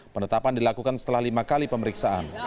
penetapan dilakukan setelah lima kali pemeriksaan